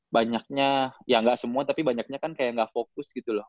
banyaknya ya gak semua tapi kayaknya kaya gak fokus gitu loh